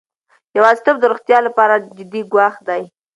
یوازیتوب د روغتیا لپاره جدي ګواښ دی.